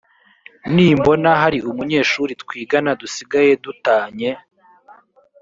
nimbona hari umunyeshuri twigana dusigaye du tanye